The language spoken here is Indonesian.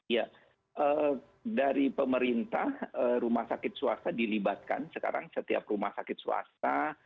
ya dari pemerintah rumah sakit swasta dilibatkan sekarang setiap rumah sakit swasta